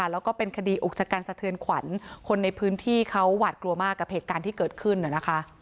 แล้วก็เป็นคดีอุกชะกันสะเทือนขวัญคนในพื้นที่เขาหวาดกลัวมากกับเหตุการณ์ที่เกิดขึ้นนะคะ